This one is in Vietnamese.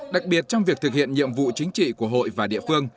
đặc biệt trong việc thực hiện nhiệm vụ chính trị của hội và địa phương